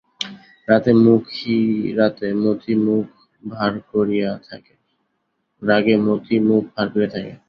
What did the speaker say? রাগে মতি মুখ ভার করিয়া থাকে।